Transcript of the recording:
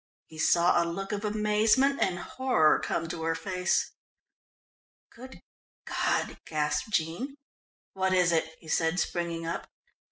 He saw a look of amazement and horror come to her face. "Good God!" gasped Jean. "What is it?" he said, springing up.